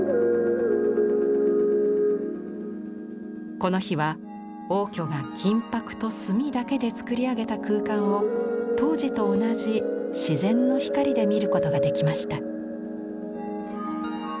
この日は応挙が金箔と墨だけでつくり上げた空間を当時と同じ自然の光で見ることができました。